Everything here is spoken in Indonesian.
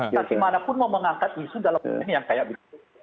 bagaimanapun mau mengangkat isu dalam hal yang kayak gitu